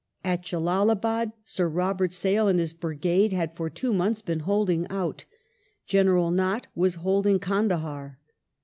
At JalaMbild Sir Robert Sale and his brigade had for two months been holding out ; General Nott was holding Kandahar.